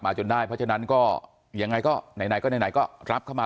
เพราะฉะนั้นก็อย่างไรก็ไหนก็รับเข้ามา